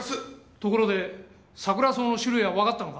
ところでサクラソウの種類はわかったのか？